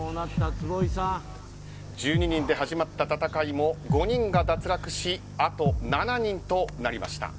１２人で始まった戦いも５人が脱落しあと７人となりました。